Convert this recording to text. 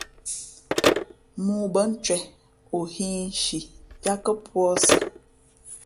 Mōō bά ncwěh, o hᾱ ǐ nshi yāt kά puǎsī.